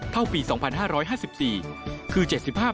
เท่าปี๒๕๕๔คือ๗๕